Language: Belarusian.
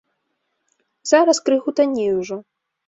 Зараз крыху танней ужо.